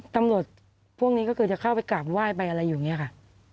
พวกนี้ก็คือจะเข้าไปกราบไหว้ไปอะไรอย่างนี้ค่ะ